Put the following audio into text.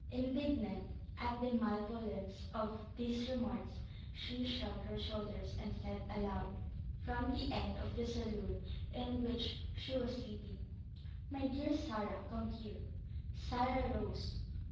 Indignant at the malevolence of these remarks, she shrugged her shoulders, and said aloud, from the end of the saloon in which she was sitting: "My dear Sarah, come here." Sarah rose.